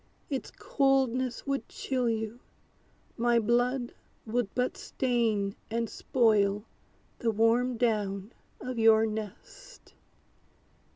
Its coldness would chill you; my blood would but stain And spoil the warm down of your nest.